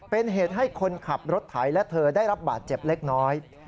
เป็นเหตุให้คนขับรถไถและเธอได้รับบาดเจ็บเล็กน้อย